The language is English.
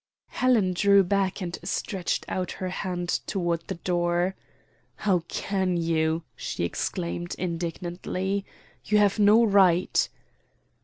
Helen drew back and stretched out her hand toward the door. "How can you!" she exclaimed, indignantly. "You have no right."